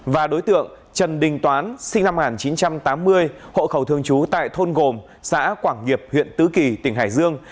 và đối tượng trần đình toán sinh năm một nghìn chín trăm tám mươi hộ khẩu thường trú tại thôn gồm xã quảng nghiệp huyện tứ kỳ tỉnh hải dương